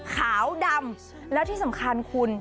ขาวดำแล้วที่สำคัญคุณ